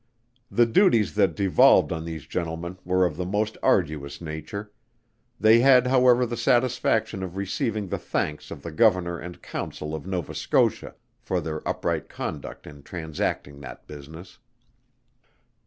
The duties that devolved on these gentlemen were of the most arduous nature; they had however the satisfaction of receiving the thanks of the Governor and Council of Nova Scotia, for their upright conduct in transacting that business.